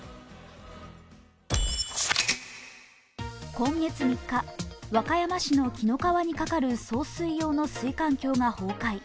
今月３日、和歌山市の紀の川にかかる送水用の水管橋が崩落。